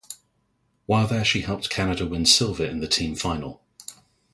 While there she helped Canada win silver in the team final.